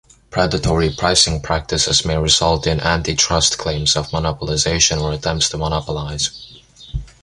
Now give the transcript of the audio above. Predatory pricing practices may result in antitrust claims of monopolization or attempts to monopolize.